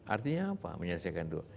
artinya apa menyelesaikan itu